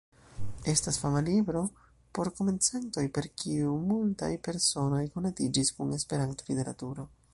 Estas fama libro por komencantoj per kiu multaj personoj konatiĝis kun la Esperanto-literaturo.